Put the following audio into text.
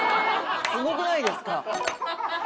すごくないですか？